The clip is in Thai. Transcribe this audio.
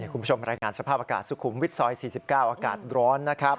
คุณผู้ชมรายงานสภาพอากาศสุขุมวิทย์ซอย๔๙อากาศร้อนนะครับ